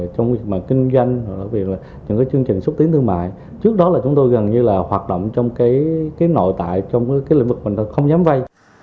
trong việc kinh doanh những chương trình xuất tiến thương mại trước đó chúng tôi gần như hoạt động trong nội tại trong lĩnh vực mình không dám vây